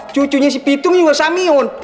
cucunya si pitung juga samiun